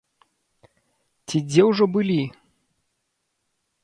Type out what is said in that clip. Ці дзе ўжо былі?